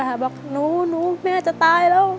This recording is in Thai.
บอกหนูหนูแม่จะตายแล้ว